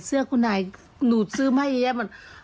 เสื้อคุณนายหนูซื้อมาเยอะ